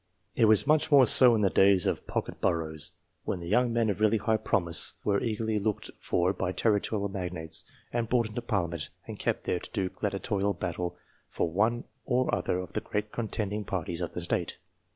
It was much more so in the days of pocket boroughs, when young men of really high promise were eagerly looked for by territorial magnates, and brought into Parliament, and kept there to do gladia torial battle for one or other of the great contending parties of the State.